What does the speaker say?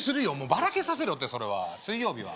バラけさせろってそれは水曜日は？